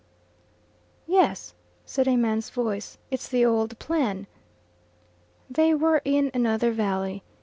"Yes," said a man's voice; "it's the old plan." They were in another valley.